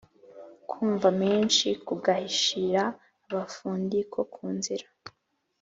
Kwumva menshi kagahishira.-Agafundi ko ku nzira.